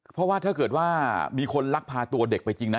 เพราะว่าถ้าเกิดว่ามีคนลักพาตัวเด็กไปจริงนะ